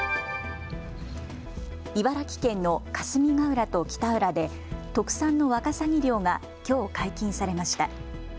茨城県の霞ヶ浦と北浦で特産のワカサギ漁がきょう解禁されました。